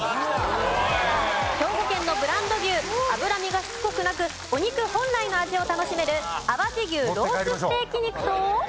兵庫県のブランド牛脂身がしつこくなくお肉本来の味を楽しめる淡路牛ロースステーキ肉と。